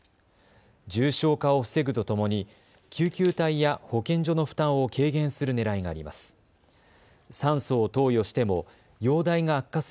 重症化を防ぐとともに救急隊や保健所の負担を軽減するねらいがあります。